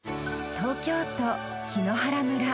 東京都檜原村。